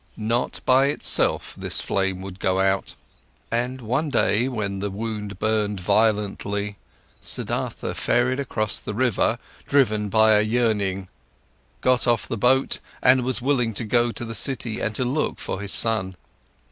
Not by itself, this flame would go out. And one day, when the wound burned violently, Siddhartha ferried across the river, driven by a yearning, got off the boat and was willing to go to the city and to look for his son.